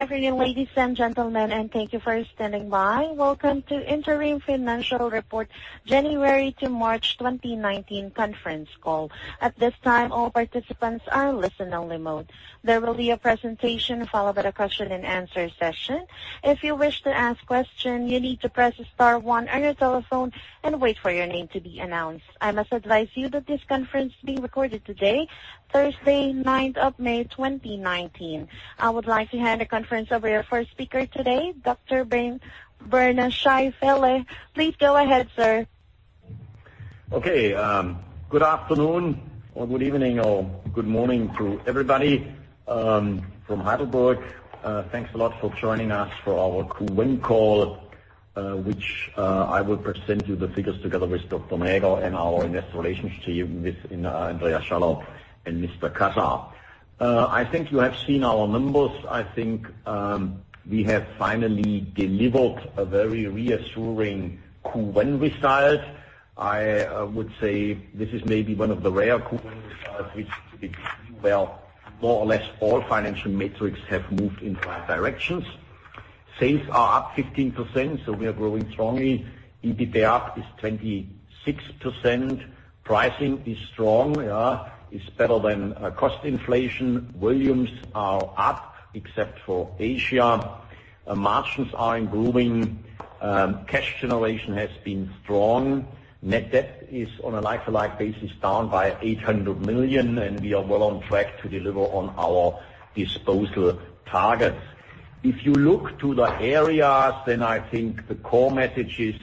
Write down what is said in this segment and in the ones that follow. Good afternoon, ladies and gentlemen, thank you for standing by. Welcome to Interim Financial Report January to March 2019 conference call. At this time, all participants are in listen only mode. There will be a presentation followed by a question and answer session. If you wish to ask question, you need to press star one on your telephone and wait for your name to be announced. I must advise you that this conference is being recorded today, Thursday, 9th of May 2019. I would like to hand the conference over to our first speaker today, Dr. Bernd Scheifele. Please go ahead, sir. Okay. Good afternoon or good evening or good morning to everybody from Heidelberg. Thanks a lot for joining us for our Q1 call, which I will present you the figures together with Dr. Näger and our investor relations team with Andreas Schaller and Mr. Kassar. I think you have seen our numbers. I think we have finally delivered a very reassuring Q1 result. I would say this is maybe one of the rare Q1 results which we see more or less all financial metrics have moved in the right directions. Sales are up 15%. We are growing strongly. EBITDA is 26%. Pricing is strong. It's better than cost inflation. Volumes are up except for Asia. Margins are improving. Cash generation has been strong. Net debt is on a like-to-like basis, down by 800 million. We are well on track to deliver on our disposal targets. If you look to the areas, I think the core message is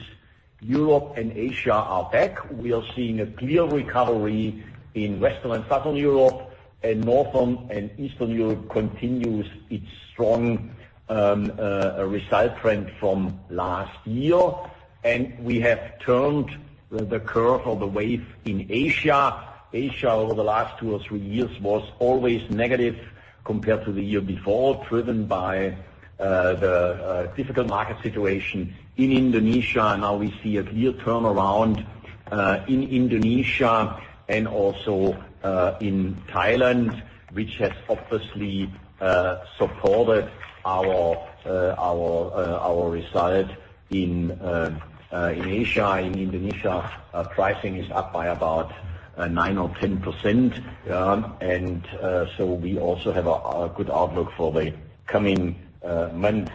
Europe and Asia are back. We are seeing a clear recovery in Western and Southern Europe and Northern and Eastern Europe continues its strong result trend from last year. We have turned the curve or the wave in Asia. Asia, over the last two or three years, was always negative compared to the year before, driven by the difficult market situation in Indonesia. Now we see a clear turnaround in Indonesia and also in Thailand, which has obviously supported our result in Asia. In Indonesia, pricing is up by about 9% or 10%. We also have a good outlook for the coming month.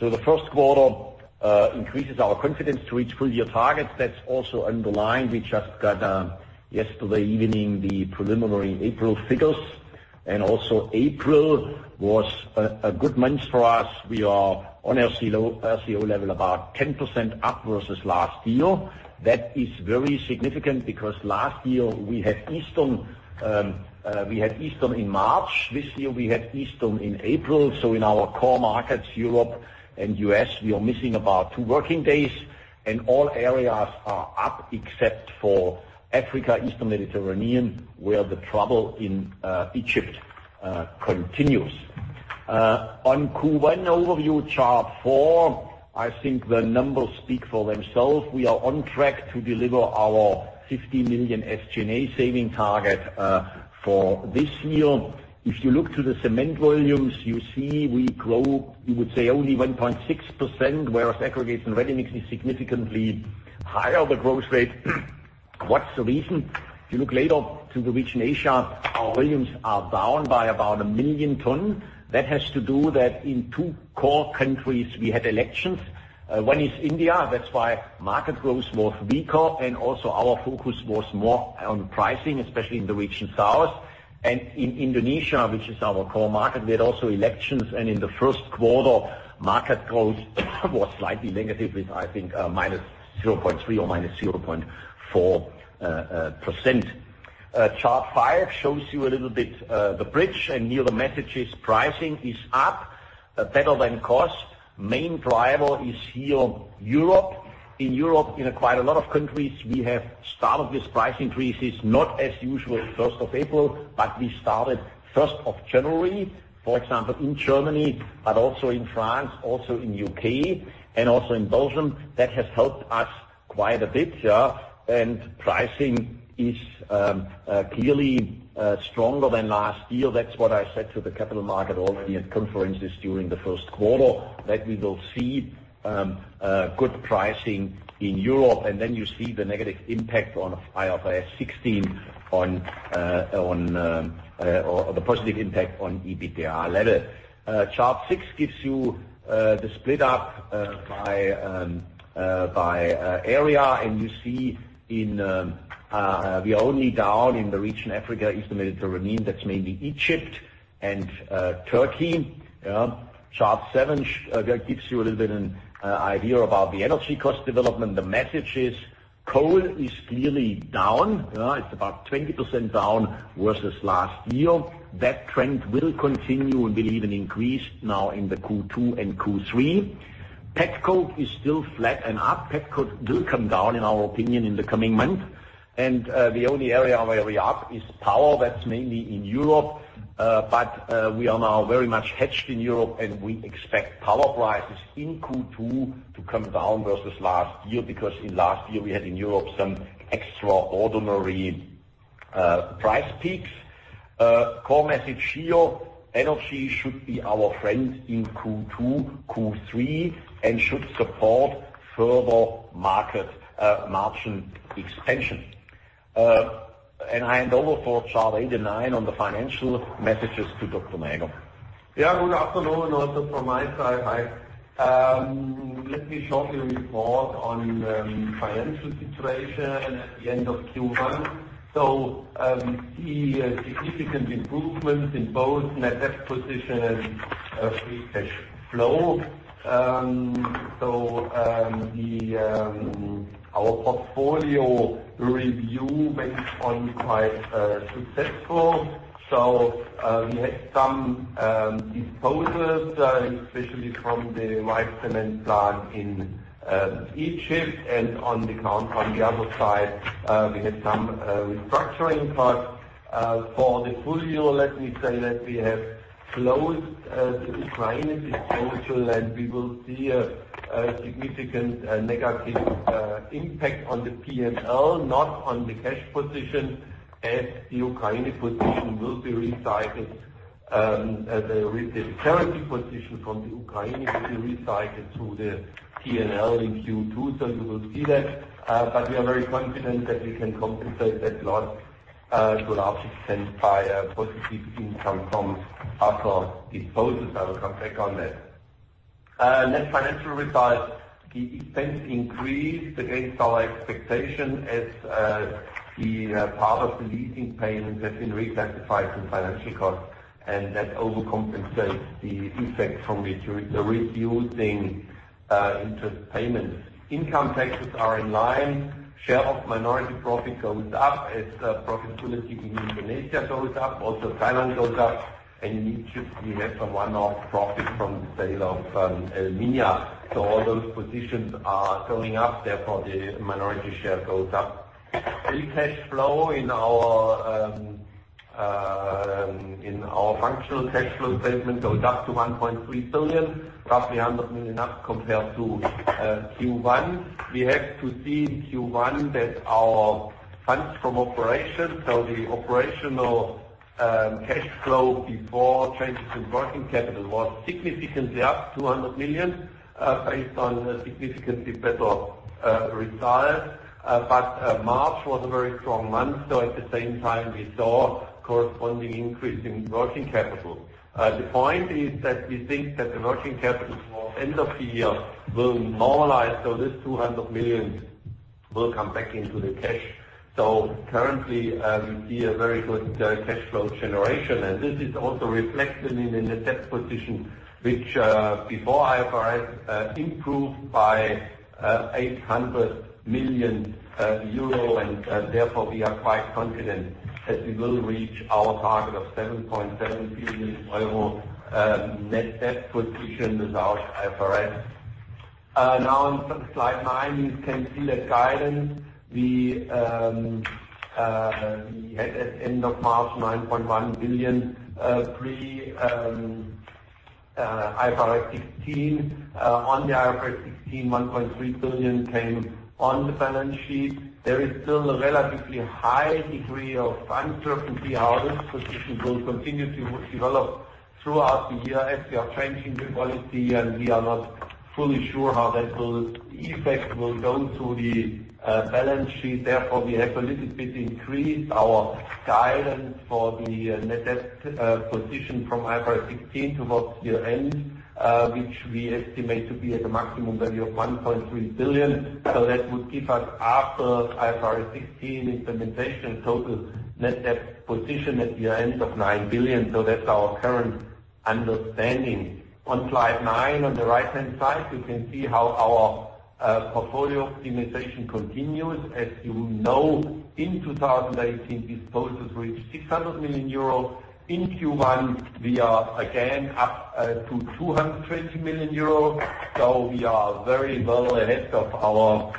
The first quarter increases our confidence to reach full year targets. That's also underlined. We just got yesterday evening the preliminary April figures. Also April was a good month for us. We are on LCO level, about 10% up versus last year. That is very significant because last year we had Easter in March. This year, we had Easter in April. In our core markets, Europe and U.S., we are missing about two working days. All areas are up except for Africa, Eastern Mediterranean, where the trouble in Egypt continues. On Q1 overview, chart four, I think the numbers speak for themselves. We are on track to deliver our 50 million SGA saving target for this year. If you look to the cement volumes, you see we grow, you would say only 1.6%, whereas aggregates and ready-mix is significantly higher, the growth rate. What's the reason? If you look later to the region Asia, our volumes are down by about 1 million tons. That has to do that in two core countries, we had elections. One is India. That is why market growth was weaker and also our focus was more on pricing, especially in the region south. In Indonesia, which is our core market, we had also elections, and in the 1st quarter, market growth was slightly negative with, I think, -0.3% or -0.4%. Chart 5 shows you a little bit the bridge and here the message is pricing is up better than cost. Main driver is here Europe. In Europe, in quite a lot of countries, we have started with price increases, not as usual 1st of April, but we started 1st of January. For example, in Germany, but also in France, also in U.K. and also in Belgium. That has helped us quite a bit here. Pricing is clearly stronger than last year. That is what I said to the capital market already in conferences during the 1st quarter, that we will see good pricing in Europe. Then you see the negative impact on IFRS 16 or the positive impact on EBITDA level. Chart 6 gives you the split up by area. You see we are only down in the region Africa, East and Mediterranean, that is mainly Egypt and Turkey. Chart 7 gives you a little bit an idea about the energy cost development. The message is coal is clearly down. It is about 20% down versus last year. That trend will continue, we believe, and increase now in the Q2 and Q3. Petcoke is still flat and up. Petcoke will come down, in our opinion, in the coming month. The only area where we are up is power. That is mainly in Europe. We are now very much hedged in Europe, and we expect power prices in Q2 to come down versus last year, because in last year we had in Europe some extraordinary price peaks. Core message here: energy should be our friend in Q2, Q3, and should support further market margin expansion. I hand over for Chart 8 and 9 on the financial messages to Dr. Näger. Good afternoon also from my side. Let me shortly report on the financial situation at the end of Q1. We see a significant improvements in both net debt position and free cash flow. Our portfolio review based on quite successful. We had some disposals, especially from the White Cement plant in Egypt, and on the other side, we had some restructuring costs. For the full year, let me say that we have closed the Ukrainian disposal, and we will see a significant negative impact on the P&L, not on the cash position, as the Ukraine position will be recycled, the carrying position from the Ukraine will be recycled through the P&L in Q2, so you will see that. We are very confident that we can compensate that loss to a large extent by a positive income from other disposals. I will come back on that. Net financial results. The expense increased against our expectation as the part of the leasing payments have been reclassified from financial costs, and that overcompensates the effect from the reducing interest payments. Income taxes are in line. Share of minority profit goes up as profit policy in Indonesia goes up, also Thailand goes up. In Egypt, we have a one-off profit from the sale of El Minya. All those positions are going up, therefore the minority share goes up. Free cash flow in our functional cash flow statement goes up to 1.3 billion, roughly 100 million up compared to Q1. We have to see in Q1 that our funds from operations, the operational cash flow before changes in working capital was significantly up 200 million, based on significantly better results. March was a very strong month, at the same time, we saw corresponding increase in working capital. The point is that we think that the working capital for end of the year will normalize. This 200 million will come back into the cash. Currently, we see a very good cash flow generation, and this is also reflected in the net debt position, which, before IFRS, improved by 800 million euro, and therefore, we are quite confident that we will reach our target of 7.7 billion euro net debt position without IFRS. On Slide 9, you can see that guidance. We had at end of March 9.1 billion pre-IFRS 16. On the IFRS 16, 1.3 billion came on the balance sheet. There is still a relatively high degree of uncertainty how this position will continue to develop throughout the year as we are changing the policy, and we are not fully sure how that effect will go to the balance sheet. We have a little bit increased our guidance for the net debt position from IFRS 16 towards the end, which we estimate to be at a maximum value of 1.3 billion. That would give us, after IFRS 16 implementation, total net debt position at the end of 9 billion. That's our current understanding. On Slide 9, on the right-hand side, you can see how our portfolio optimization continues. As you know, in 2018, disposals reached 600 million euro. In Q1, we are again up to 220 million euro. We are very well ahead of our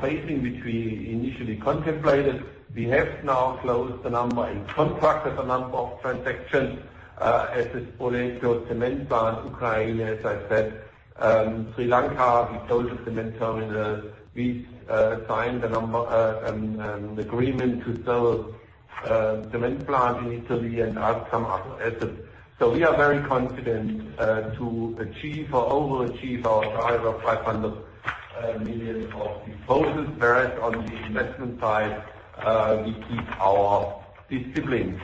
phasing, which we initially contemplated. We have now closed the number and contracted the number of transactions, as is Palazzolo Cement Plant, Ukraine, as I said. Sri Lanka, we sold a cement terminal. We signed an agreement to sell a cement plant in Italy and some other assets. We are very confident to achieve or overachieve our guide of 500 million of disposals. Whereas on the investment side, we keep our discipline.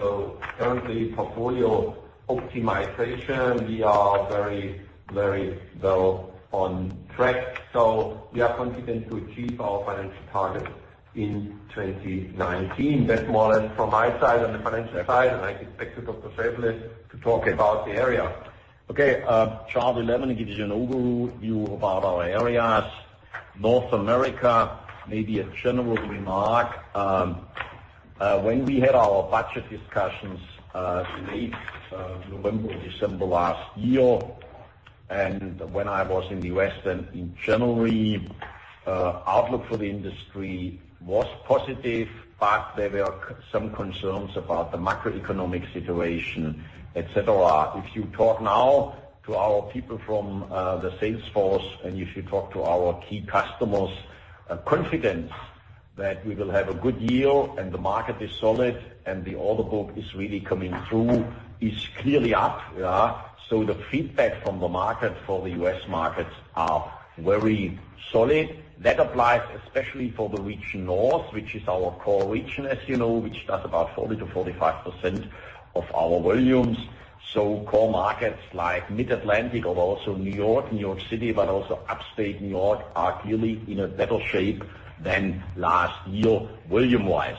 Currently, portfolio optimization, we are very well on track. We are confident to achieve our financial targets in 2019. That's more or less from my side on the financial side, and I expect Dr. Scheifele to talk about the area. Okay. Chart 11 gives you an overview about our areas. North America, maybe a general remark. When we had our budget discussions late November or December last year, and when I was in the West in January, outlook for the industry was positive, but Some concerns about the macroeconomic situation, et cetera. If you talk now to our people from the sales force and you should talk to our key customers, confidence that we will have a good year and the market is solid and the order book is really coming through is clearly up. The feedback from the market for the U.S. markets are very solid. That applies especially for the region North, which is our core region, as you know, which does about 40%-45% of our volumes. Core markets like Mid-Atlantic or also New York, New York City, but also upstate New York, are clearly in a better shape than last year volume-wise.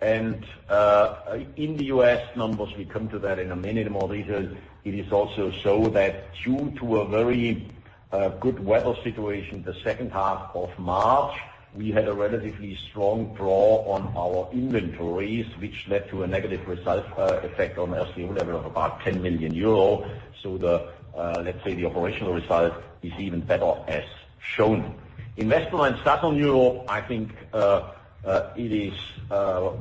In the U.S., numbers, we come to that in a minute in more detail. It is also so that due to a very good weather situation, the second half of March, we had a relatively strong draw on our inventories, which led to a negative result effect on LCO level of about 10 million euro. Let's say the operational result is even better as shown. In Western and Southern Europe, I think,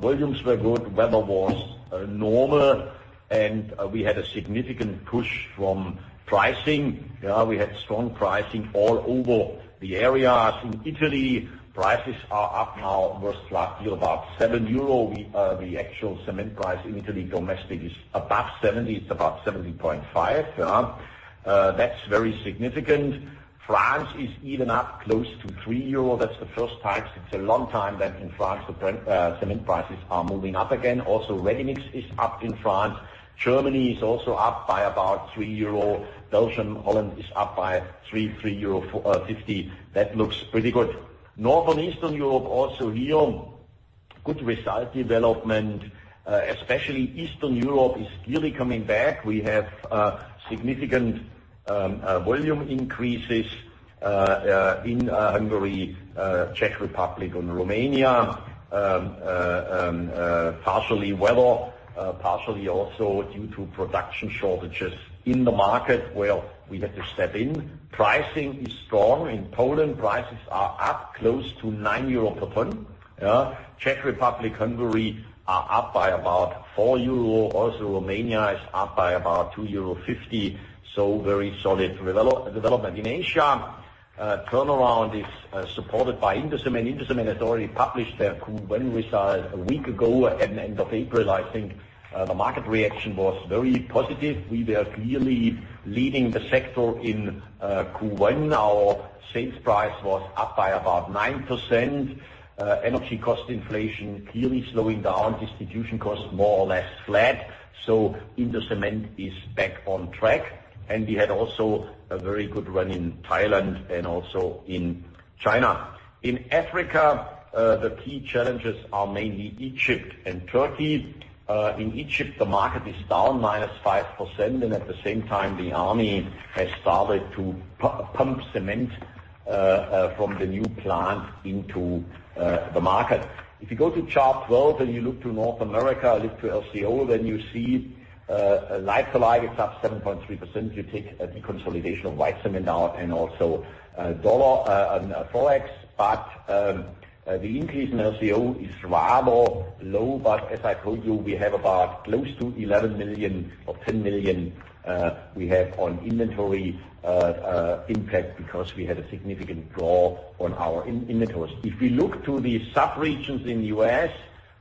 volumes were good, weather was normal, and we had a significant push from pricing. We had strong pricing all over the areas. In Italy, prices are up now versus last year, about 7 euro. The actual cement price in Italy domestic is above 70. It's about 70.5. That's very significant. France is even up close to 3 euro. That's the first time. It's a long time that in France, the cement prices are moving up again. Ready-mix is up in France. Germany is also up by about 3 euro. Belgium, Holland is up by 3, 3.50 euro. That looks pretty good. Northern Eastern Europe, here, good result development, especially Eastern Europe is clearly coming back. We have significant volume increases in Hungary, Czech Republic, and Romania. Partially weather, partially also due to production shortages in the market where we had to step in. Pricing is strong. In Poland, prices are up close to 9 euro per ton. Czech Republic, Hungary are up by about 4 euro. Romania is up by about 2.50 euro, very solid development. In Asia, turnaround is supported by Indocement. Indocement has already published their Q1 result a week ago at the end of April. I think the market reaction was very positive. We were clearly leading the sector in Q1. Our sales price was up by about 9%. Energy cost inflation clearly slowing down. Distribution costs more or less flat. Indocement is back on track. We had also a very good run in Thailand and also in China. In Africa, the key challenges are mainly Egypt and Turkey. In Egypt, the market is down -5%, and at the same time, the army has started to pump cement from the new plant into the market. Go to Chart 12 and you look to North America, look to LCO, then you see life to life, it's up 7.3%. You take the consolidation of White Cement now and also USD on Forex. The increase in LCO is rather low, but as I told you, we have about close to 11 million or 10 million we have on inventory impact because we had a significant draw on our inventories. If we look to the subregions in the U.S.,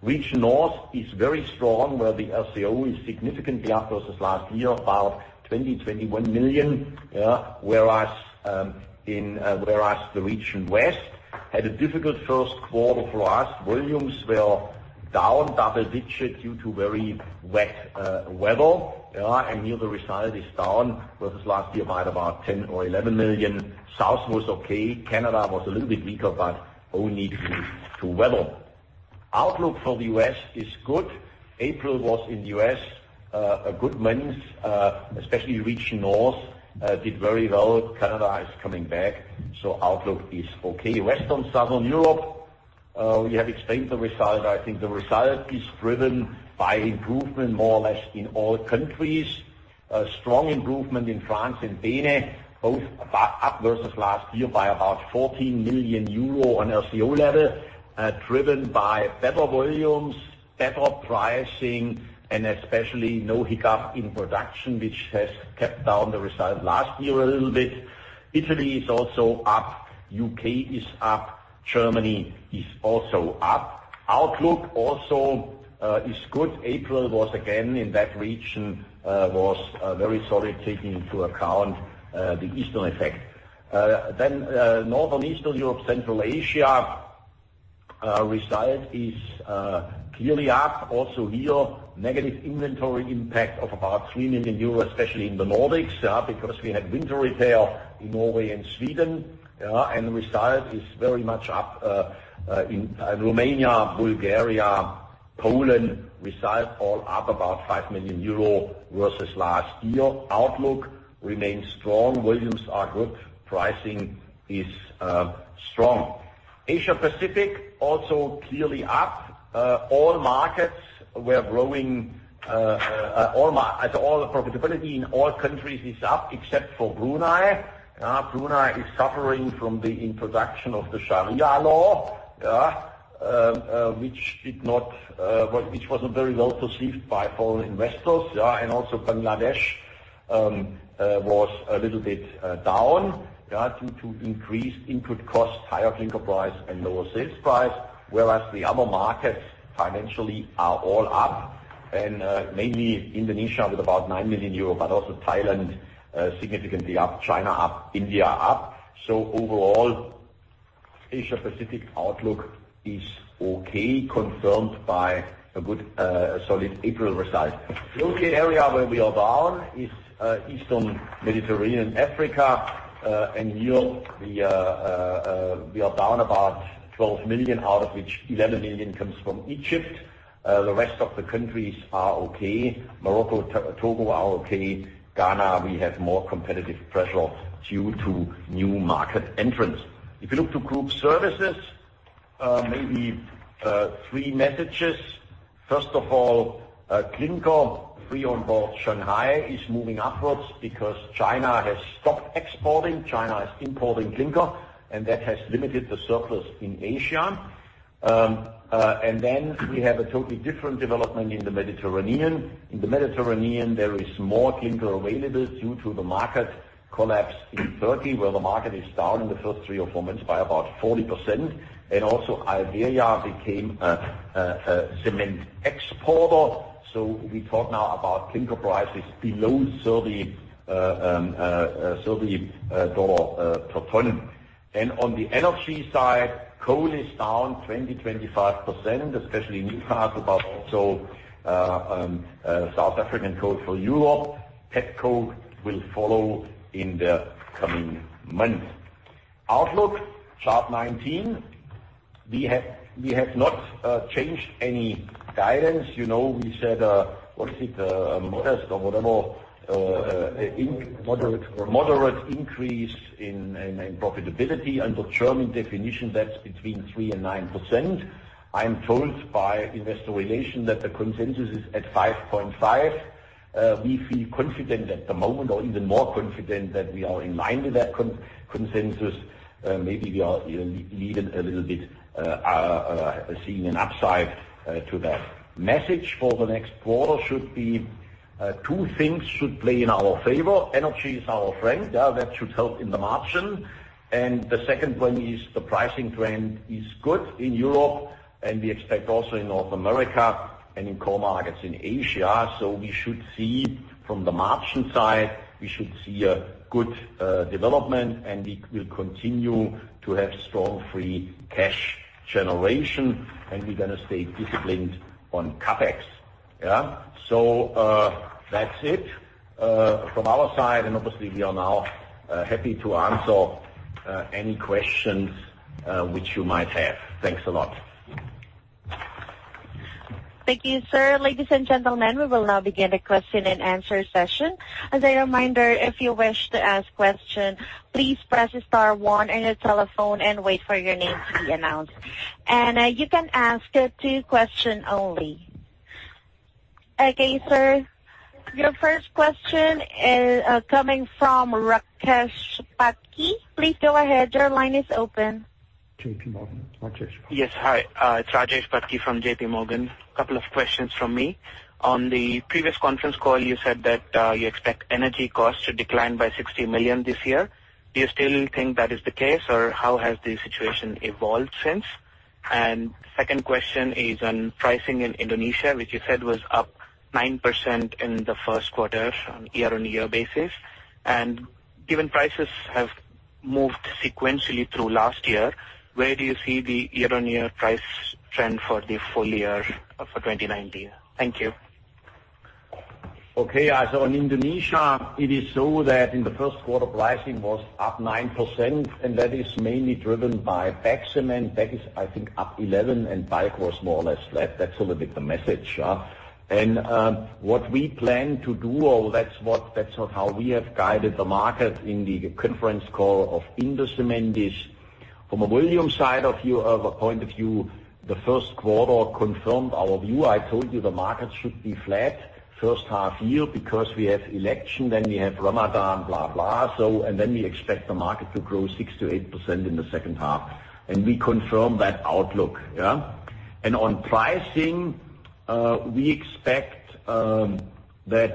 Region North is very strong, where the LCO is significantly up versus last year, about 20 million, 21 million. Whereas the Region West had a difficult first quarter for us. Volumes were down double-digit due to very wet weather, and here the result is down versus last year by about 10 million or 11 million. South was okay. Canada was a little bit weaker, but only due to weather. Outlook for the U.S. is good. April was in the U.S. a good month, especially Region North did very well. Canada is coming back, so outlook is okay. Western Southern Europe, we have explained the result. The result is driven by improvement more or less in all countries. A strong improvement in France and Benelux, both up versus last year by about 14 million euro on LCO level, driven by better volumes, better pricing, and especially no hiccup in production, which has kept down the result last year a little bit. Italy is also up. U.K. is up. Germany is also up. Outlook also is good. April was, again, in that region, was very solid, taking into account the Easter effect. Northern Eastern Europe, Central Asia, result is clearly up. Also here, negative inventory impact of about 3 million euros, especially in the Nordics, because we had winter repair in Norway and Sweden, and result is very much up. In Romania, Bulgaria, Poland, result all up about 5 million euro versus last year. Outlook remains strong. Volumes are good. Pricing is strong. Asia Pacific also clearly up. All markets were growing. All the profitability in all countries is up except for Brunei. Brunei is suffering from the introduction of the Sharia law, which wasn't very well received by foreign investors, and also Bangladesh was a little bit down due to increased input costs, higher clinker price, and lower sales price, whereas the other markets financially are all up. And mainly Indonesia with about 9 million euro, but also Thailand significantly up, China up, India up. So overall, Asia Pacific outlook is okay, confirmed by a good solid April result. The only area where we are down is Eastern Mediterranean, Africa, and Europe. We are down about 12 million, out of which 11 million comes from Egypt. The rest of the countries are okay. Morocco, Togo are okay. Ghana, we have more competitive pressure due to new market entrants. If you look to group services, maybe three messages. First of all, clinker, Free on Board Shanghai is moving upwards because China has stopped exporting. China is importing clinker, and that has limited the surplus in Asia. Then we have a totally different development in the Mediterranean. In the Mediterranean, there is more clinker available due to the market collapse in Turkey, where the market is down in the first three or four months by about 40%. Also Iberia became a cement exporter. So we talk now about clinker prices below $30 per ton. On the energy side, coal is down 20%-25%, especially in Newcastle, but also South African coal for Europe. Petcoke will follow in the coming months. Outlook, chart 19. We have not changed any guidance. We said, what is it? A modest or whatever. Moderate. Moderate increase in profitability under German definition, that is between 3% and 9%. I am told by Investor Relations that the consensus is at 5.5%. We feel confident at the moment, or even more confident that we are in line with that consensus. Maybe we are even a little bit seeing an upside to that. Message for the next quarter should be two things should play in our favor. Energy is our friend. That should help in the margin. The second one is the pricing trend is good in Europe, and we expect also in North America and in coal markets in Asia. We should see from the margin side, we should see a good development, and we will continue to have strong free cash generation, and we are going to stay disciplined on CapEx. That is it from our side. Obviously, we are now happy to answer any questions which you might have. Thanks a lot. Thank you, sir. Ladies and gentlemen, we will now begin the question and answer session. As a reminder, if you wish to ask question, please press star one on your telephone and wait for your name to be announced. You can ask up to question only. Okay, sir. Your first question is coming from Rajesh Patki. Please go ahead. Your line is open. J.P. Morgan, Rajesh Patki. Yes. Hi, it is Rajesh Patki from J.P. Morgan. Couple of questions from me. On the previous conference call, you said that you expect energy costs to decline by 60 million this year. Do you still think that is the case, or how has the situation evolved since? Second question is on pricing in Indonesia, which you said was up 9% in the first quarter on a year-on-year basis. Given prices have moved sequentially through last year, where do you see the year-on-year price trend for the full year for 2019? Thank you. Okay. In Indonesia, it is so that in the first quarter, pricing was up 9%, and that is mainly driven by bagged cement. That is, I think, up 11%, and bulk was more or less flat. That is a little bit the message. What we plan to do, or that is how we have guided the market in the conference call of Indocement is from a volume side of point of view, the first quarter confirmed our view. I told you the market should be flat first half year because we have election, then we have Ramadan, blah. Then we expect the market to grow 6%-8% in the second half, and we confirm that outlook. On pricing, we expect that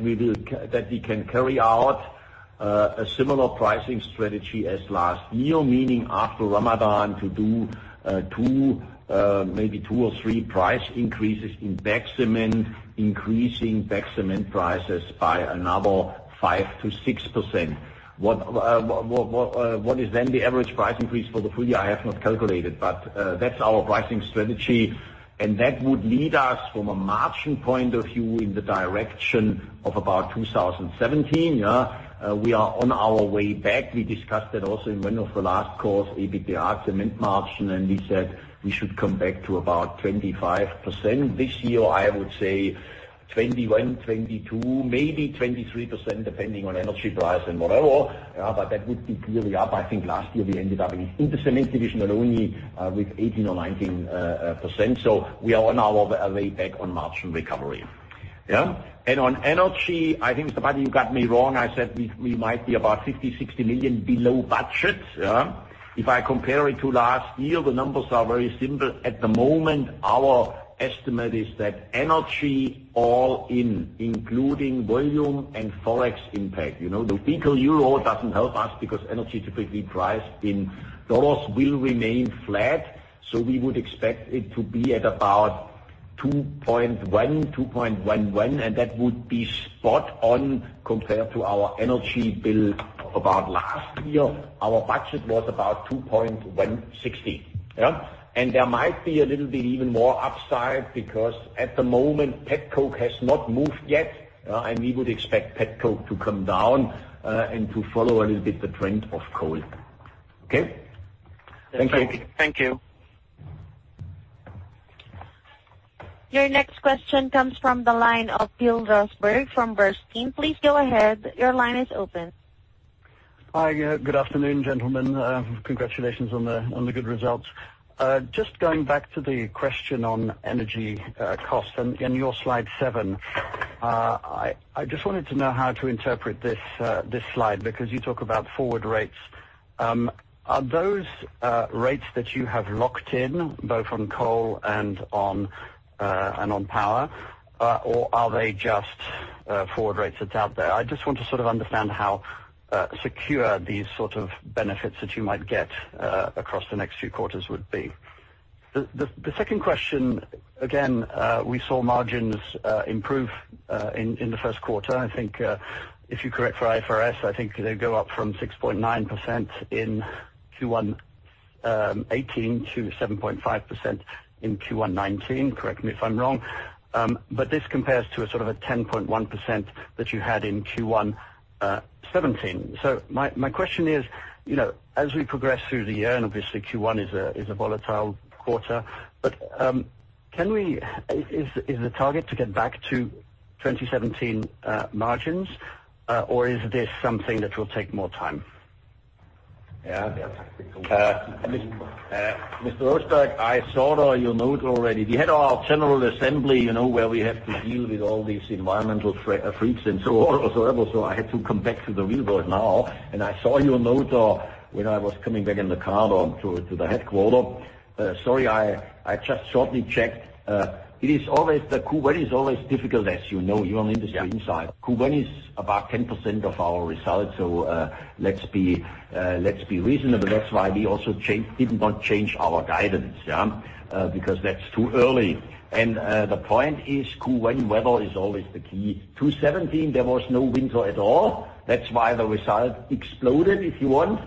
we can carry out a similar pricing strategy as last year, meaning after Ramadan to do maybe two or three price increases in bagged cement, increasing bagged cement prices by another 5%-6%. What is then the average price increase for the full year? I have not calculated, but that is our pricing strategy, and that would lead us from a margin point of view in the direction of about 2017. We are on our way back. We discussed that also in one of the last calls, EBITDA cement margin, and we said we should come back to about 25%. This year, I would say 21%, 22%, maybe 23%, depending on energy price and whatever. That would be clearly up. I think last year we ended up in Indocement division only with 18% or 19%. We are on our way back on margin recovery. On energy, I think, somebody, you got me wrong. I said we might be about 50 million-60 million below budget. Yeah. If I compare it to last year, the numbers are very similar. At the moment, our estimate is that energy all in, including volume and Forex impact. The weaker EUR doesn't help us because energy is typically priced in USD will remain flat. We would expect it to be at about 2.1, 2.11, and that would be spot on compared to our energy bill about last year. Our budget was about 2.16. There might be a little bit even more upside because at the moment, petcoke has not moved yet, and we would expect petcoke to come down and to follow a little bit the trend of coal. Okay. Thank you. Thank you. Your next question comes from the line of Phil Roseberg from Bernstein. Please go ahead. Your line is open. Hi. Good afternoon, gentlemen. Congratulations on the good results. Just going back to the question on energy cost and your slide seven. I just wanted to know how to interpret this slide because you talk about forward rates. Are those rates that you have locked in both on coal and on power? Are they just forward rates that's out there? I just want to sort of understand how secure these sort of benefits that you might get across the next few quarters would be. The second question, again, we saw margins improve in the first quarter. I think if you correct for IFRS, I think they go up from 6.9% in Q1 2018 to 7.5% in Q1 2019. Correct me if I'm wrong. This compares to a sort of a 10.1% that you had in Q1 2017. My question is, as we progress through the year, obviously Q1 is a volatile quarter. Is the target to get back to 2017 margins? Or is this something that will take more time? Mr. Roseberg, I saw your note already. We had our general assembly where we have to deal with all these environmental freaks and so on or so ever. I had to come back to the real world now, I saw your note when I was coming back in the car to the headquarter. Sorry, I just shortly checked. Q1 is always difficult as you know, you're on the industry inside. Q1 is about 10% of our results, let's be reasonable. That's why we also did not change our guidance. That's too early. The point is, Q1 weather is always the key. 2017, there was no winter at all. That's why the result exploded, if you want.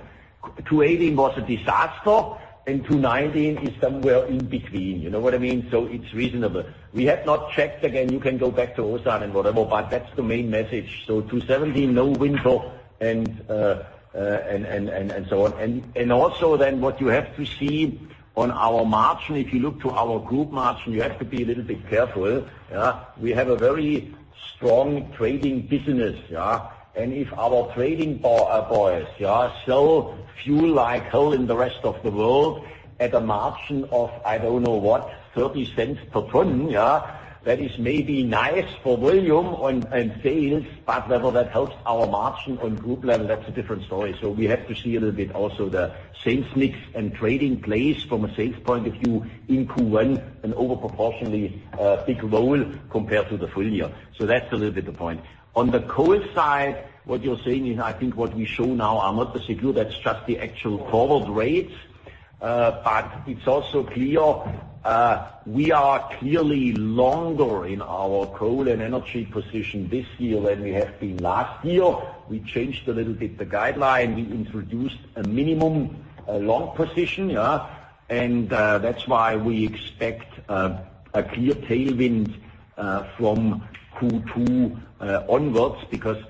2018 was a disaster and 2019 is somewhere in between. You know what I mean? It's reasonable. We have not checked again. You can go back to Hanson and whatever, that's the main message. 2017, no winter and so on. Also then what you have to see on our margin, if you look to our group margin, you have to be a little bit careful. We have a very strong trading business. If our trading boys sell fuel like hell in the rest of the world at a margin of, I don't know what, 0.30 per ton. That is maybe nice for volume on sales, whether that helps our margin on group level, that's a different story. We have to see a little bit also the sales mix and trading plays from a sales point of view in Q1, an over proportionally big role compared to the full year. That's a little bit the point. On the coal side, what you're saying and I think what we show now are not the secure, that's just the actual forward rates. It's also clear, we are clearly longer in our coal and energy position this year than we have been last year. We changed a little bit the guideline. We introduced a minimum long position. That's why we expect a clear tailwind from Q2 onwards,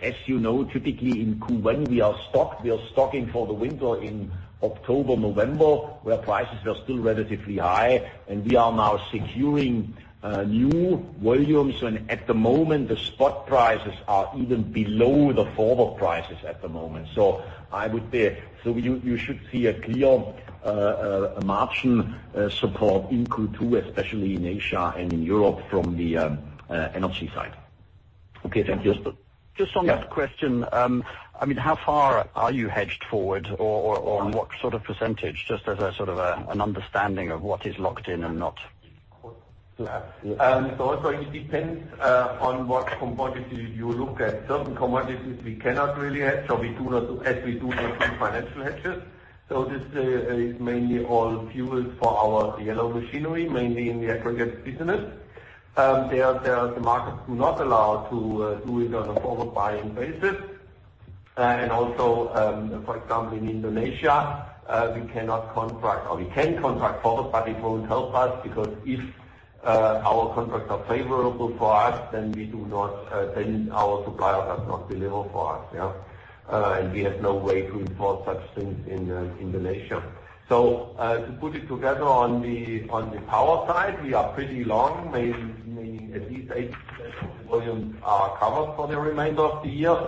as you know, typically in Q1 we are stocked. We are stocking for the winter in October, November, where prices were still relatively high, we are now securing new volumes. At the moment, the spot prices are even below the forward prices at the moment. You should see a clear margin support in Q2, especially in Asia and in Europe from the energy side. Okay. Thank you. Yes. On that question. How far are you hedged forward? On what sort of %? As a sort of an understanding of what is locked in and not. It depends on what commodities you look at. Certain commodities we cannot really hedge, we do not as we do with some financial hedges. This is mainly all fuels for our yellow machinery, mainly in the aggregate business. There the markets do not allow to do it on a forward buying basis. Also for example, in Indonesia, we cannot contract or we can contract forward, but it won't help us because if our contracts are favorable for us, then our supplier does not deliver for us. We have no way to enforce such things in Indonesia. To put it together on the power side, we are pretty long, maybe at least 80% of the volumes are covered for the remainder of the year.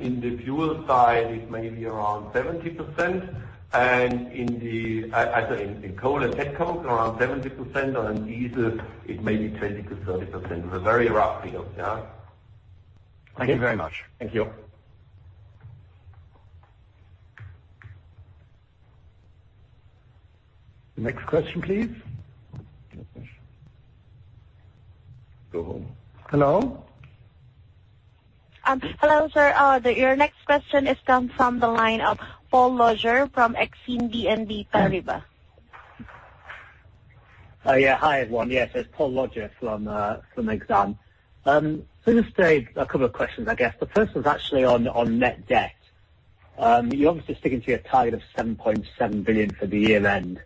In the fuel side, it may be around 70%. In coal and Petcoke around 70%, in diesel it may be 20%-30%. It's a very rough feel. Thank you very much. Thank you. Next question, please. Next question. Go on. Hello? Hello, sir. Your next question comes from the line of Paul Roger from Exane BNP Paribas. Hi, everyone. It's Paul Roger from Exane. Just a couple of questions, I guess. The first one's actually on net debt. You're obviously sticking to your target of 7.7 billion for the year-end.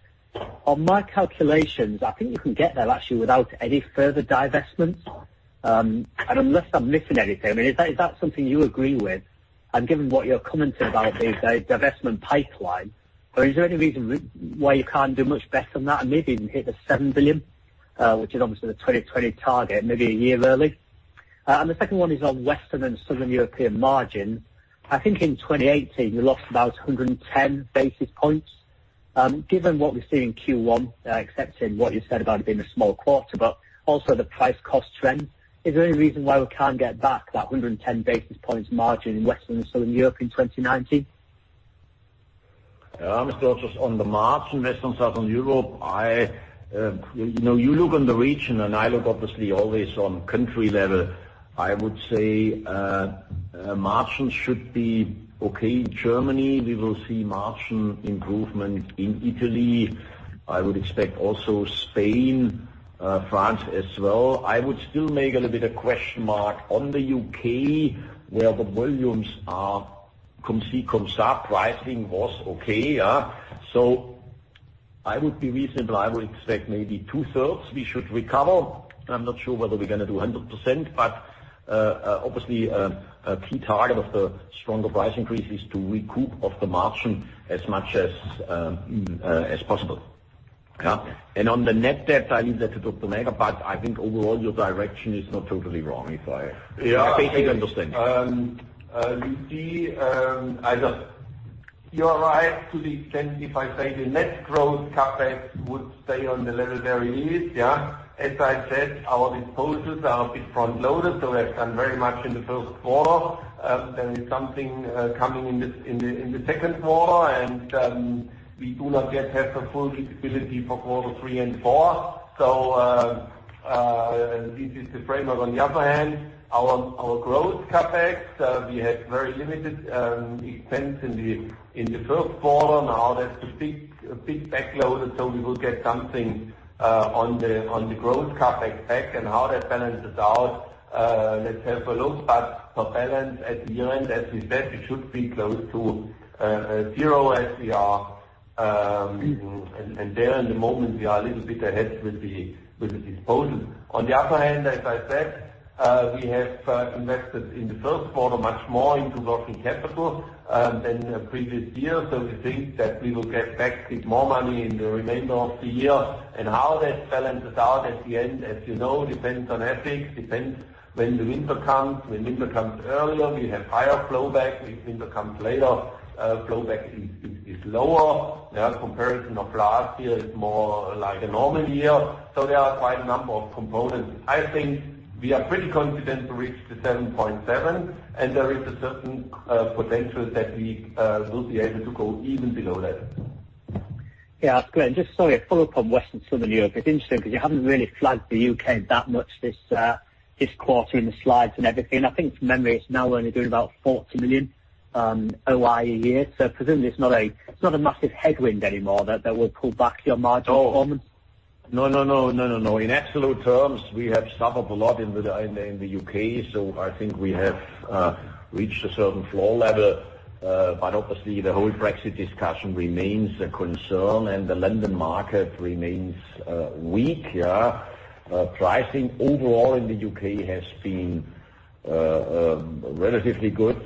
On my calculations, I think you can get there actually without any further divestments. Unless I'm missing anything, is that something you agree with? Given what you're commenting about the divestment pipeline, or is there any reason why you can't do much better than that and maybe even hit the 7 billion, which is obviously the 2020 target, maybe a year early? The second one is on Western and Southern European margin. I think in 2018, you lost about 110 basis points. Given what we've seen in Q1, accepting what you said about it being a small quarter, but also the price cost trend, is there any reason why we can't get back that 110 basis points margin in Western and Southern Europe in 2019? On the margin, Western, Southern Europe. You look in the region and I look obviously always on country level. I would say margins should be okay in Germany. We will see margin improvement in Italy. I would expect also Spain, France as well. I would still make a little bit of question mark on the U.K., where the volumes are pricing was okay. I would be reasonable. I would expect maybe two-thirds we should recover. I'm not sure whether we're going to do 100%, but obviously, a key target of the stronger price increase is to recoup off the margin as much as possible. On the net debt, I leave that to Dr. Lorenz Näger, but I think overall, your direction is not totally wrong if I- Yeah basically understand. You are right to the extent if I say the net growth CapEx would stay on the level where it is. As I said, our disposals are a bit front-loaded, so that is done very much in the first quarter. There is something coming in the second quarter. We do not yet have the full visibility for quarter three and four. This is the framework. On the other hand, our growth CapEx, we had very limited expense in the first quarter. Now that is a bit back-loaded, so we will get something on the growth CapEx back and how that balances out, let's have a look. For balance at the year-end, as we said, it should be close to zero as we are. There in the moment, we are a little bit ahead with the disposals. On the other hand, as I said, we have invested in the first quarter much more into working capital than the previous year. We think that we will get back this more money in the remainder of the year. How that balances out at the end, as you know, depends on FX, depends when the winter comes. When winter comes earlier, we have higher flowback. If winter comes later, flowback is lower. Comparison of last year is more like a normal year. There are quite a number of components. I think we are pretty confident to reach the 7.7 and there is a certain potential that we will be able to go even below that. Great. Just sorry, a follow-up on Western Southern Europe. It is interesting because you have not really flagged the U.K. that much this quarter in the slides and everything. I think from memory, it is now only doing about 40 million OIE a year. Presumably it is not a massive headwind anymore that will pull back your margin performance. No. In absolute terms, we have suffered a lot in the U.K., so I think we have reached a certain floor level. Obviously the whole Brexit discussion remains a concern and the London market remains weak. Pricing overall in the U.K. has been relatively good.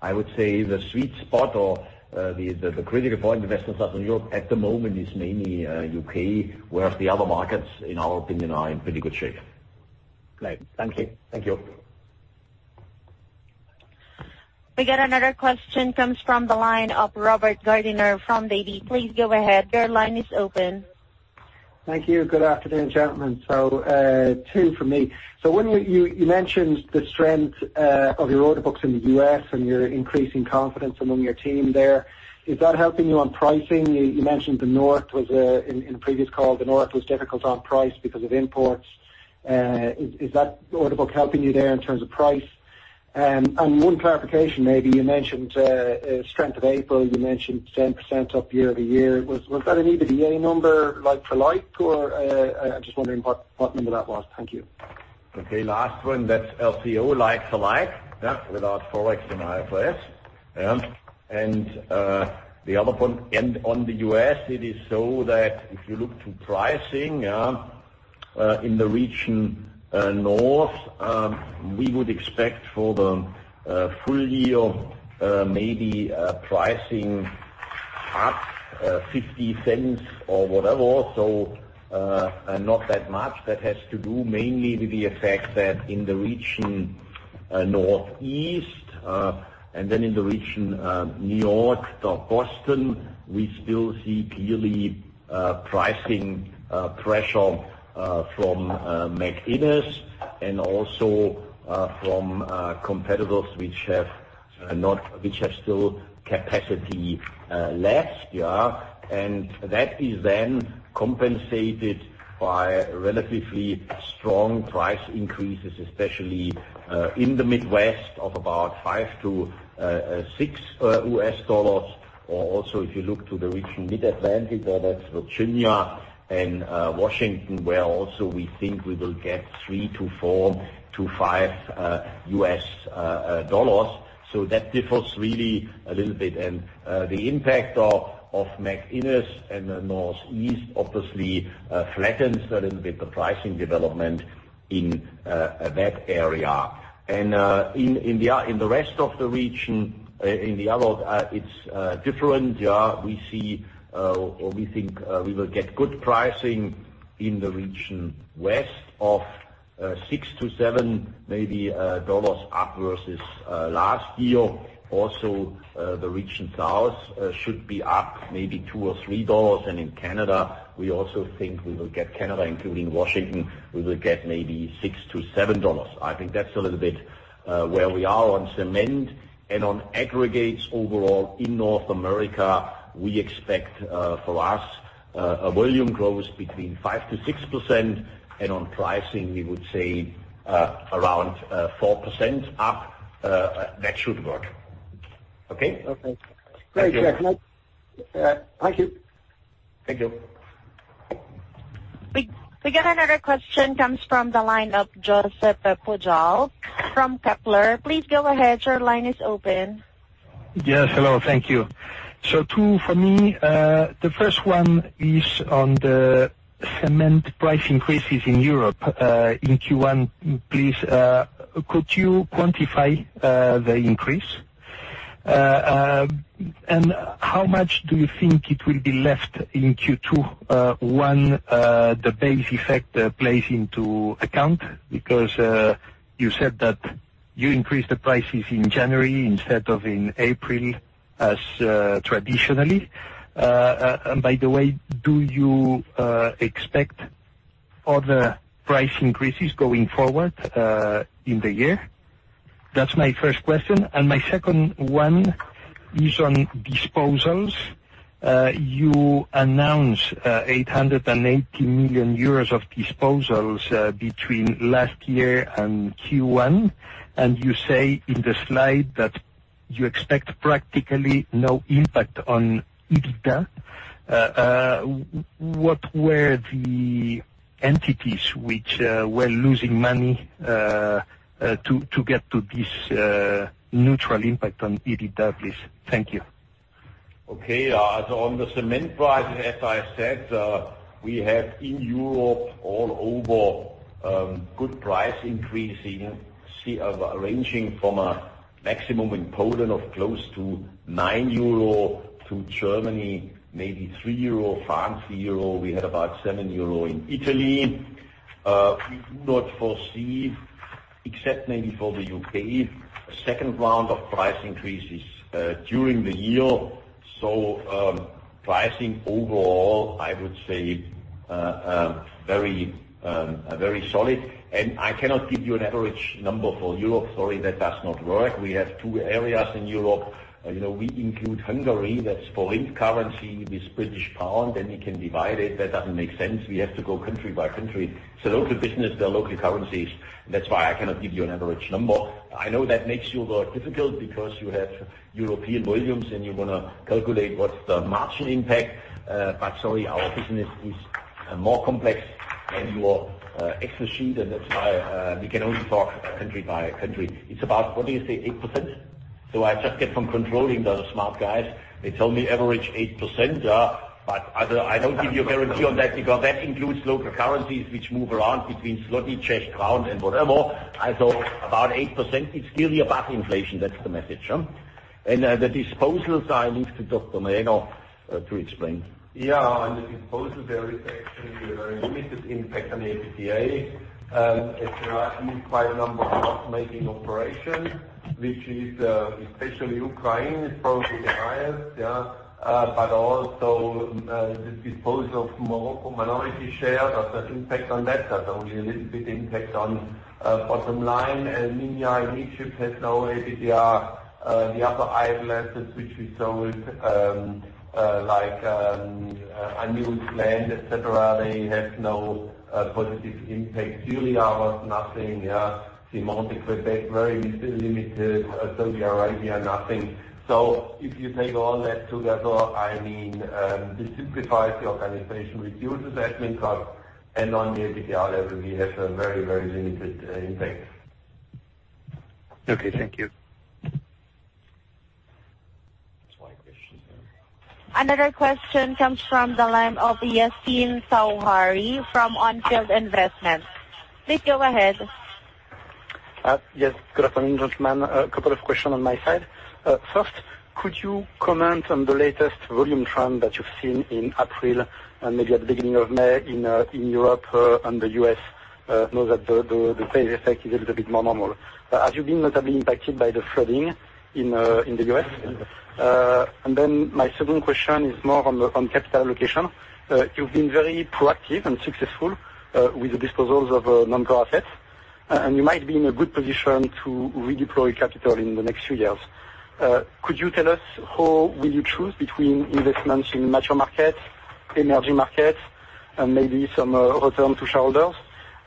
I would say the sweet spot or the critical point in Western Southern Europe at the moment is mainly U.K., whereas the other markets, in our opinion, are in pretty good shape. Great. Thank you. Thank you. We got another question, comes from the line of Robert Gardiner from Davy. Please go ahead. Your line is open. Thank you. Good afternoon, gentlemen. Two from me. When you mentioned the strength of your order books in the U.S. and your increasing confidence among your team there, is that helping you on pricing? You mentioned in previous call, the North was difficult on price because of imports. Is that order book helping you there in terms of price? One clarification maybe, you mentioned strength of April. You mentioned 10% up year-over-year. Was that an EBITDA number like for like? I'm just wondering what number that was. Thank you. LCO, like for like, without Forex and IFRS. The other point, on the U.S. it is so that if you look to pricing in the region North, we would expect for the full year, maybe pricing up 0.50 or whatever. Not that much. That has to do mainly with the effect that in the region Northeast and then in the region New York or Boston, we still see clearly pricing pressure from McInnis and also from competitors which are still capacity left. That is then compensated by relatively strong price increases, especially in the Midwest of about EUR 5-EUR 6. Also if you look to the region Mid-Atlantic, that's Virginia and Washington, where also we think we will get EUR 3-EUR 5. That differs really a little bit. The impact of McInnis in the Northeast obviously flattens a little bit the pricing development in that area. In the rest of the region, in the others, it's different. We think we will get good pricing in the region West of EUR 6-EUR 7 maybe up versus last year. Also, the region South should be up maybe EUR 2-EUR 3. In Canada, we also think we will get, Canada including Washington, we will get maybe EUR 6-EUR 7. I think that's a little bit where we are on cement. On aggregates overall in North America, we expect for us a volume growth between 5%-6%, and on pricing, we would say around 4% up. That should work. Okay? Okay. Great, Bernd. Thank you. Thank you. We got another question, comes from the line of Josep Pujal from Kepler. Please go ahead. Your line is open. Yes, hello. Thank you. Two for me. The first one is on the cement price increases in Europe in Q1. Please, could you quantify the increase? How much do you think it will be left in Q2 when the base effect plays into account? Because you said that you increased the prices in January instead of in April as traditionally. By the way, do you expect other price increases going forward in the year? That's my first question, and my second one is on disposals. You announced 880 million euros of disposals between last year and Q1, and you say in the slide that you expect practically no impact on EBITDA. What were the entities which were losing money to get to this neutral impact on EBITDA, please? Thank you. Okay. On the cement price, as I said, we have in Europe all over good price increasing, ranging from a maximum in Poland of close to 9 euro to Germany, maybe 3 euro, France, 0 euro. We had about 7 euro in Italy. We do not foresee, except maybe for the U.K., a second round of price increases during the year. Pricing overall, I would say very solid. I cannot give you an average number for Europe. Sorry, that does not work. We have two areas in Europe. We include Hungary, that's forint currency with GBP, then you can divide it, that doesn't make sense. We have to go country by country. Local business, they're local currencies. That's why I cannot give you an average number. I know that makes your work difficult because you have European volumes and you want to calculate what's the margin impact. Sorry, our business is more complex than your Excel sheet, and that's why we can only talk country by country. About, what do you say, 8%? I just get from controlling the smart guys, they tell me average 8%, but I don't give you a guarantee on that because that includes local currencies which move around between zloty, Czech crown and whatever. About 8%, it's clearly above inflation. That's the message. The disposals, I leave to Dr. Näger to explain. On the disposals, there is actually a very limited impact on EBITDA. It means quite a number of making operations, which is especially Ukraine is probably the highest. Also the disposal of Morocco minority share, does that impact on that? There's only a little bit impact on bottom line. India and Egypt has no EBITDA. The other idle assets which we sold, like unused land, et cetera, they have no positive impact. Syria was nothing. Ciment Québec, very limited. Saudi Arabia, nothing. If you take all that together, this simplifies the organization, reduces admin cost, and on the EBITDA level, we have a very limited impact. Okay, thank you. That's why I questioned him. Another question comes from the line of Yassine Touahri from On Field Investments. Please go ahead. Yes, good afternoon, gentlemen. A couple of questions on my side. First, could you comment on the latest volume trend that you've seen in April and maybe at the beginning of May in Europe and the U.S.? I know that the base effect is a little bit more normal. Have you been notably impacted by the flooding in the U.S.? My second question is more on capital allocation. You've been very proactive and successful with the disposals of non-core assets. You might be in a good position to redeploy capital in the next few years. Could you tell us how will you choose between investments in mature markets, emerging markets, and maybe some return to shareholders?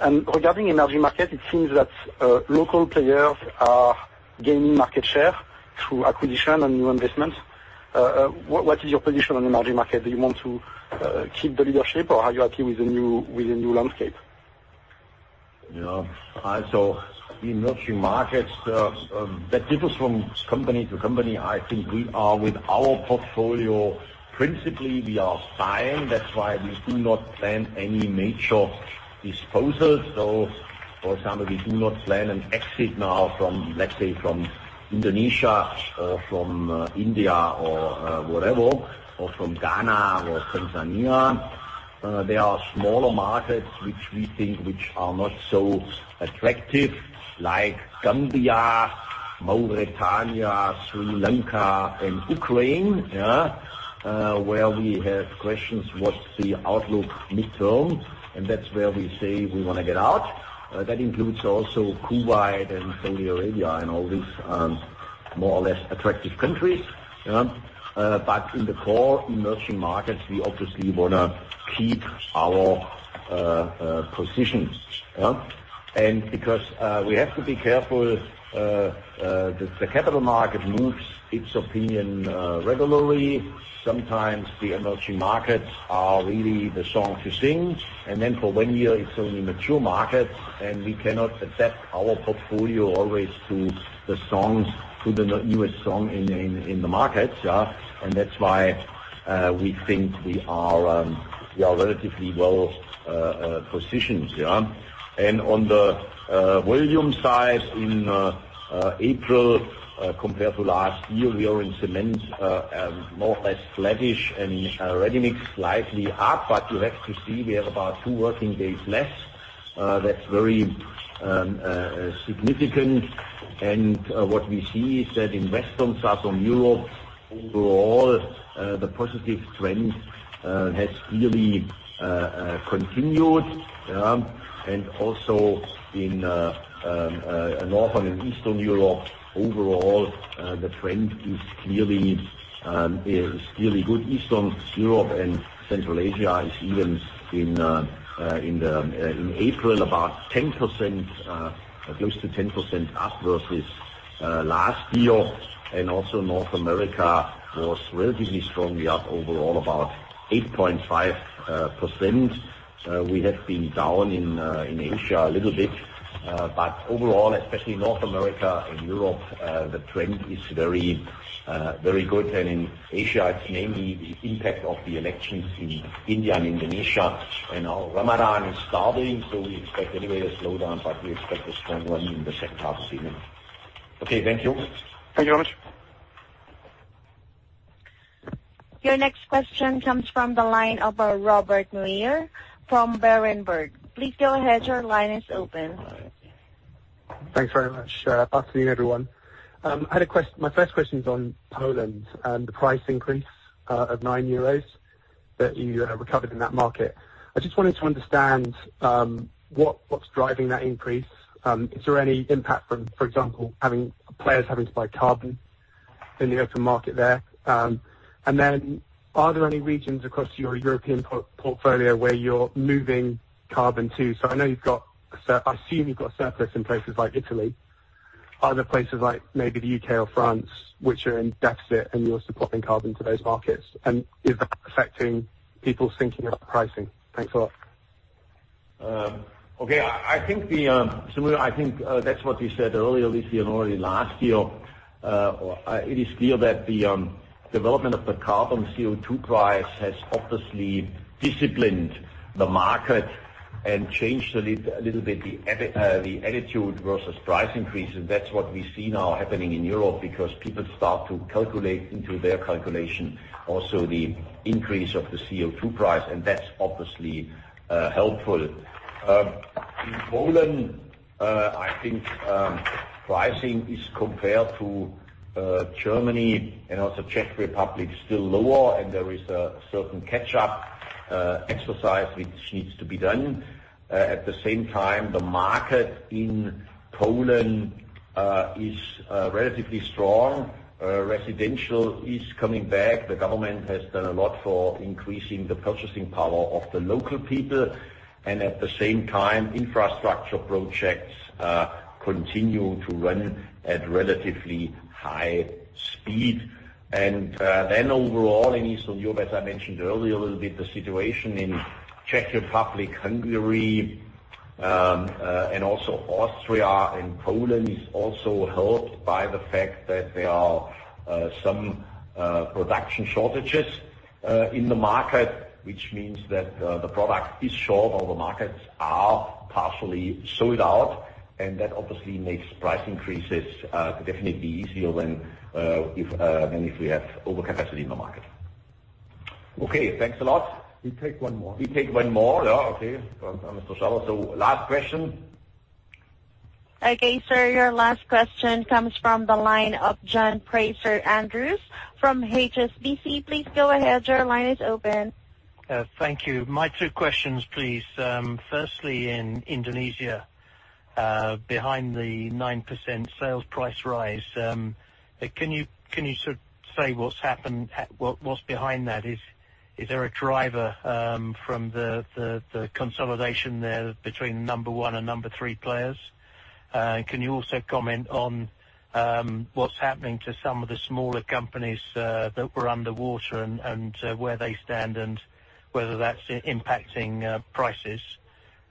Regarding emerging markets, it seems that local players are gaining market share through acquisition and new investments. What is your position on emerging markets? Do you want to keep the leadership, or are you okay with the new landscape? In emerging markets, that differs from company to company. I think with our portfolio, principally, we are buying. That's why we do not plan any major disposals. For example, we do not plan an exit now, let's say, from Indonesia, from India or wherever, or from Ghana or Tanzania. There are smaller markets which we think are not so attractive, like Gambia, Mauritania, Sri Lanka, and Ukraine, where we have questions what's the outlook midterm, and that's where we say we want to get out. That includes also Kuwait and Saudi Arabia and all these more or less attractive countries. In the core emerging markets, we obviously want to keep our positions. Because we have to be careful, the capital market moves its opinion regularly. Sometimes the emerging markets are really the song to sing, and then for one year, it's only mature markets, and we cannot adapt our portfolio always to the newest song in the markets. That's why we think we are relatively well-positioned. On the volume side, in April compared to last year, we are in cement more or less flattish, and ready-mix slightly up. You have to see, we have about two working days less. That's very significant. What we see is that in Western, Southern Europe, overall, the positive trend has clearly continued. Also in Northern and Eastern Europe, overall, the trend is clearly good. Eastern Europe and Central Asia is even in April, close to 10% up versus last year. Also North America was relatively strongly up overall, about 8.5%. We have been down in Asia a little bit. Overall, especially North America and Europe, the trend is very good. In Asia, it is mainly the impact of the elections in India and Indonesia. Now Ramadan is starting, so we expect anyway a slowdown, but we expect a strong run in the second half anyway. Okay. Thank you. Thank you very much. Your next question comes from the line of Robert Muir from Berenberg. Please go ahead, your line is open. Thanks very much. Good afternoon, everyone. My first question's on Poland and the price increase of 9 euros that you recovered in that market. I just wanted to understand what's driving that increase. Is there any impact from, for example, players having to buy carbon in the open market there? Then are there any regions across your European portfolio where you're moving carbon to? So I assume you've got surplus in places like Italy. Are there places like maybe the U.K. or France which are in deficit and you're supplying carbon to those markets, and is that affecting people's thinking about pricing? Thanks a lot. Okay. Samir, I think that's what we said earlier this year and already last year. It is clear that the development of the carbon CO2 price has obviously disciplined the market and changed a little bit the attitude versus price increases. That's what we see now happening in Europe, because people start to calculate into their calculation also the increase of the CO2 price, and that's obviously helpful. In Poland, I think pricing is compared to Germany and also Czech Republic, still lower, and there is a certain catch-up exercise which needs to be done. At the same time, the market in Poland is relatively strong. Residential is coming back. The government has done a lot for increasing the purchasing power of the local people, and at the same time, infrastructure projects continue to run at relatively high speed. Overall in Eastern Europe, as I mentioned earlier a little bit, the situation in Czech Republic, Hungary, and also Austria and Poland is also helped by the fact that there are some production shortages in the market, which means that the product is short or the markets are partially sold out. That obviously makes price increases definitely easier than if we have overcapacity in the market. Okay. Thanks a lot. We take one more. We take one more. Yeah, okay. Last question. Okay, sir, your last question comes from the line of John Fraser-Andrews from HSBC. Please go ahead, your line is open. Thank you. My two questions, please. Firstly, in Indonesia, behind the 9% sales price rise, can you say what's happened, what's behind that? Is there a driver from the consolidation there between number one and number three players? Can you also comment on what's happening to some of the smaller companies that were underwater, and where they stand, and whether that's impacting prices?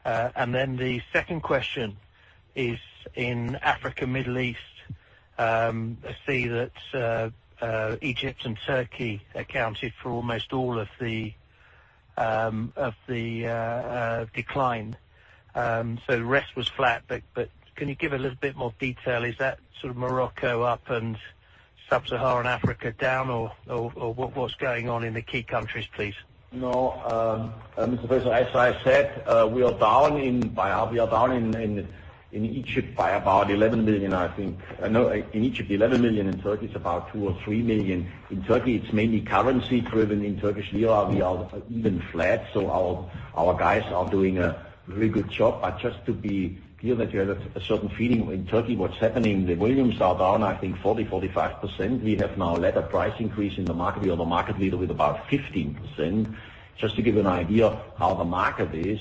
The second question is in Africa, Middle East. I see that Egypt and Turkey accounted for almost all of the decline. The rest was flat, but can you give a little bit more detail? Is that Morocco up and sub-Saharan Africa down or what's going on in the key countries, please? No, as I said, we are down in Egypt by about 11 million, I think. I know in Egypt, 11 million. In Turkey, it's about 2 million or 3 million. In Turkey, it's mainly currency-driven. In Turkish lira, we are even flat, our guys are doing a very good job. Just to be clear that you have a certain feeling in Turkey what's happening, the volumes are down, I think 40%-45%. We have now led a price increase in the market. We are the market leader with about 15%. Just to give you an idea how the market is.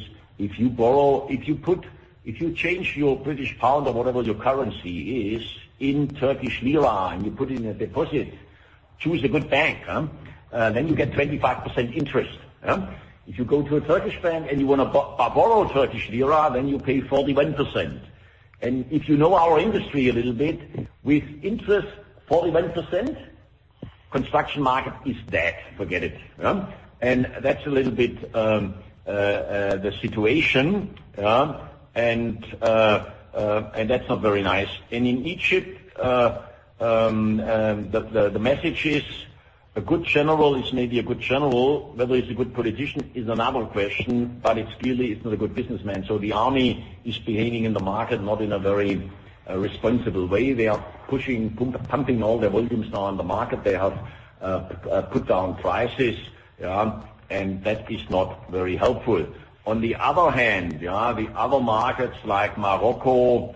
If you change your British pound or whatever your currency is in Turkish lira and you put it in a deposit, choose a good bank. You get 25% interest. If you go to a Turkish bank and you want to borrow Turkish lira, then you pay 41%. If you know our industry a little bit, with interest 41%, construction market is dead. Forget it. That's a little bit the situation, and that's not very nice. In Egypt, the message is a good general is maybe a good general. Whether he's a good politician is another question, but clearly he's not a good businessman. The army is behaving in the market, not in a very responsible way. They are pushing, pumping all their volumes now in the market. They have put down prices, and that is not very helpful. On the other hand, the other markets like Morocco.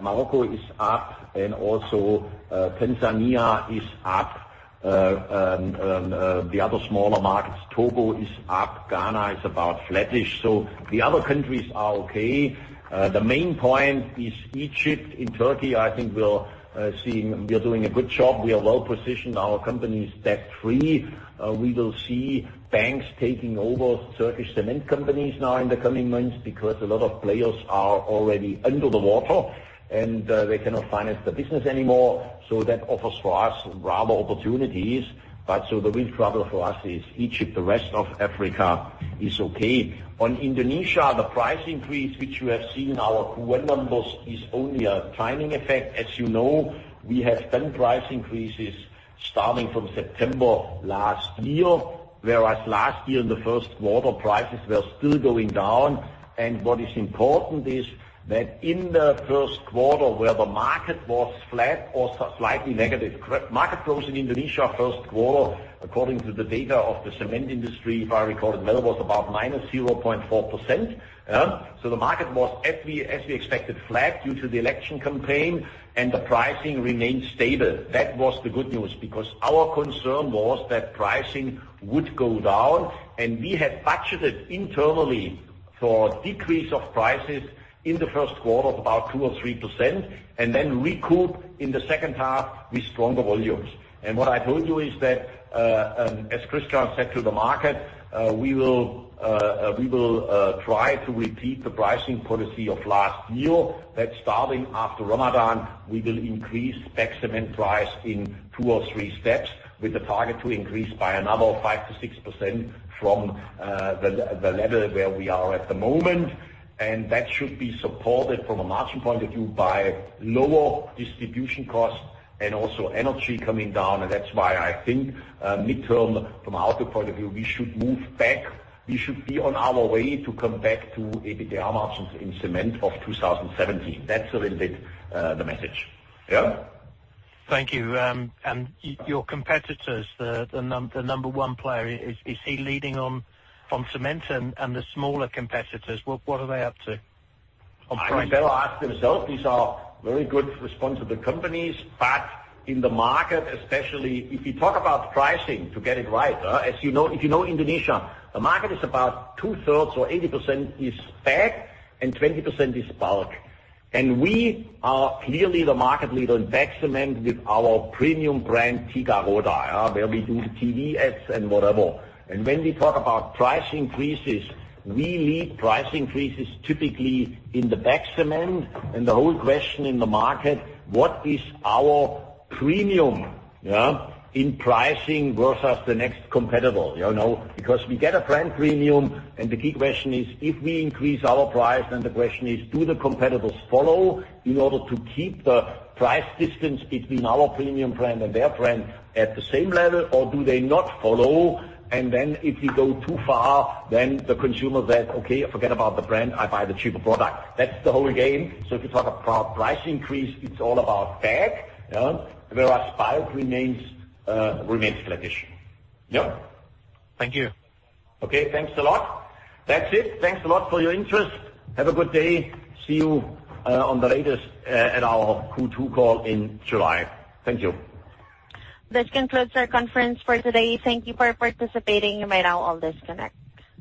Morocco is up and also Tanzania is up. The other smaller markets, Togo is up, Ghana is about flattish. The other countries are okay. The main point is Egypt. In Turkey, I think we are doing a good job. We are well-positioned. Our company is debt-free. We will see banks taking over Turkish cement companies now in the coming months because a lot of players are already under the water, and they cannot finance the business anymore. That offers for us rather opportunities. The real trouble for us is Egypt. The rest of Africa is okay. On Indonesia, the price increase, which you have seen in our Q1 numbers, is only a timing effect. As you know, we have done price increases starting from September last year, whereas last year in the first quarter, prices were still going down. What is important is that in the first quarter, where the market was flat or slightly negative. Market growth in Indonesia first quarter, according to the data of the cement industry, if I recall it well, was about -0.4%. The market was as we expected, flat due to the election campaign, and the pricing remained stable. That was the good news because our concern was that pricing would go down, and we had budgeted internally for a decrease of prices in the first quarter of about 2% or 3%, and then recoup in the second half with stronger volumes. What I told you is that, as Christian said to the market, we will try to repeat the pricing policy of last year, that starting after Ramadan, we will increase bagged cement price in two or three steps with the target to increase by another 5%-6% from the level where we are at the moment. That should be supported from a margin point of view by lower distribution costs and also energy coming down, and that's why I think midterm from an output point of view, we should move back. We should be on our way to come back to EBITDA margins in cement of 2017. That's a little bit the message. Yeah? Thank you. Your competitors, the number one player, is he leading on cement and the smaller competitors, what are they up to on pricing? I think they'll ask themselves. These are very good responsible companies. In the market, especially if you talk about pricing to get it right. If you know Indonesia, the market is about two-thirds or 80% is bag and 20% is bulk. We are clearly the market leader in bagged cement with our premium brand Tiga Roda, where we do TV ads and whatever. When we talk about price increases, we lead price increases typically in the bagged cement and the whole question in the market, what is our premium in pricing versus the next competitor? We get a brand premium, and the key question is if we increase our price, then the question is do the competitors follow in order to keep the price distance between our premium brand and their brand at the same level, or do they not follow? If we go too far, then the consumer says, "Okay, forget about the brand. I buy the cheaper product." That's the whole game. If you talk about price increase, it's all about bag. Whereas bulk remains flattish. Yeah. Thank you. Okay, thanks a lot. That's it. Thanks a lot for your interest. Have a good day. See you on the latest at our Q2 call in July. Thank you. This concludes our conference for today. Thank you for participating. You may now all disconnect.